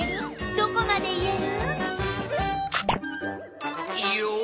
どこまで言える？